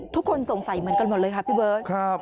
ทุกคนสงสัยเหมือนกันหมดเลยค่ะพี่เบิร์ต